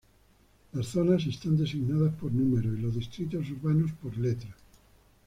Las zonas están designadas por números y los distritos urbanos por letras.